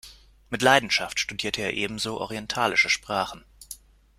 Mit Leidenschaft studierte er ebenso orientalische Sprachen.